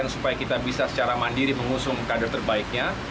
supaya kita bisa secara mandiri mengusung kader terbaiknya